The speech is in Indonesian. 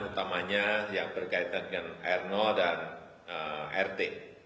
utamanya yang berkaitan dengan r dan rt